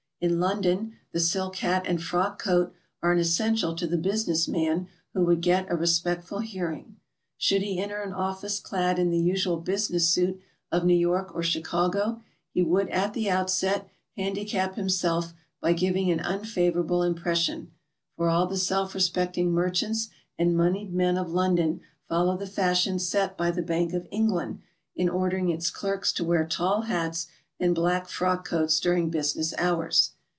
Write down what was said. In London the silk hat and frock coat are an essential to the business man who would get a respectful hearing. Should he enter an office clad in the usual business suit of New York or Chicago, he would at the outset handicap himself by giving an unfavorable impression, for all the self respect ing merchants and moneyed men of London follow the PERSONALITIES. 235 fashion set by the Bank of England in ordering its clerks . to wear tall hats and black frock coats during business hours.